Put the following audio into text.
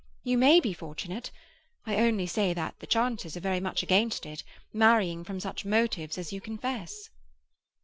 You may be fortunate; I only say that the chances are very much against it, marrying from such motives as you confess."